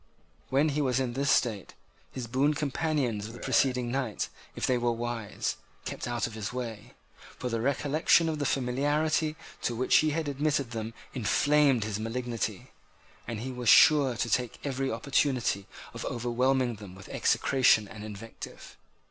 When he was in this state, his boon companions of the preceding night, if they were wise, kept out of his way: for the recollection of the familiarity to which he had admitted them inflamed his malignity; and he was sure to take every opportunity of overwhelming them with execration and invective.